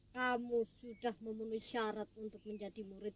kamu sudah memenuhi syarat untuk menjadi murid